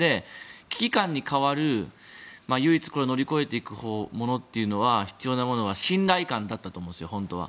危機感に代わる唯一これを乗り越えていくものというのは必要なものは信頼感だったと思うんですよ本当は。